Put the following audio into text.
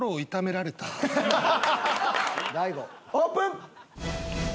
大悟オープン！